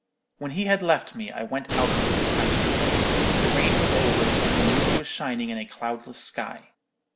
"When he had left me, I went out into the High Street. The rain was over, and the moon was shining in a cloudless sky.